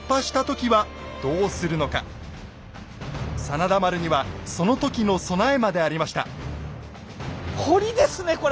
真田丸にはその時の備えまでありました。